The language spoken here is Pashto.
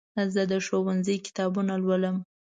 زه د ښوونځي کتابونه لولم.